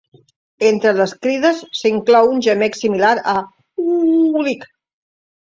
Entre les crides, s'inclou un gemec similar a "uuu-lic".